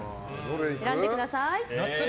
選んでください。